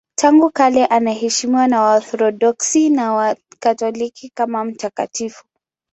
Tangu kale anaheshimiwa na Waorthodoksi na Wakatoliki kama mtakatifu.